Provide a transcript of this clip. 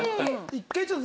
１回ちょっと。